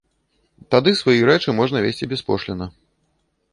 Тады свае рэчы можна везці беспошлінна.